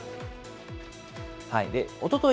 おととい